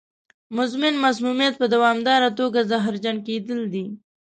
مزمن مسمومیت په دوامداره توګه زهرجن کېدل دي.